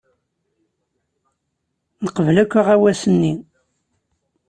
Neqbel akk aɣawas-nni.